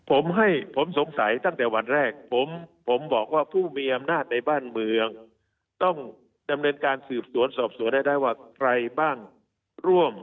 ผมให้ผมสงสัยตั้งแต่วันแรกผมบอกว่าผู้มีอำนาจในบ้านเมืองต้องดำเนินการสืบสวนสอบสวนให้ได้ว่าใครบ้างร่วม